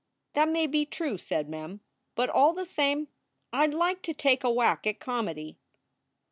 "That may be true," said Mem, "but all the same I d like to take a whack at comedy."